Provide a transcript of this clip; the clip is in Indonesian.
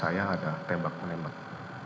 saya ada tembak menembak